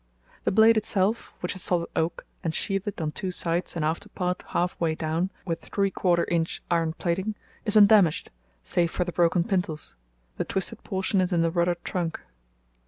The blade itself (which is solid oak and sheathed on two sides and after part half way down, with three quarter inch iron plating) is undamaged, save for the broken pintles; the twisted portion is in the rudder trunk.